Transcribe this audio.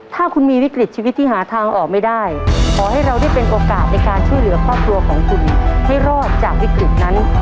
ถ้าคุณมีวิกฤตชีวิตที่หาทางออกไม่ได้ขอให้เราได้เป็นโอกาสในการช่วยเหลือครอบครัวของคุณให้รอดจากวิกฤตนั้น